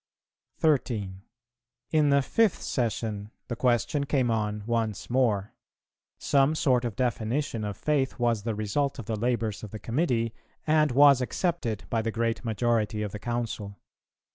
13. In the fifth Session the question came on once more; some sort of definition of faith was the result of the labours of the committee, and was accepted by the great majority of the Council.